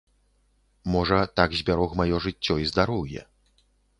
Можа, так збярог маё жыццё і здароўе.